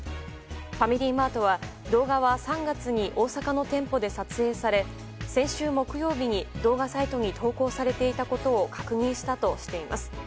ファミリーマートは動画は３月に大阪の店舗で撮影され、先週木曜日に動画サイトに投稿されていたことを確認したとしています。